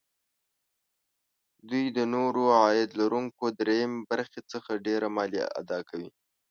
دوی د نورو عاید لرونکو دریم برخې څخه ډېره مالیه اداکوي